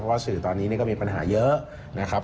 ว่าสื่อตอนนี้ก็มีปัญหาเยอะนะครับ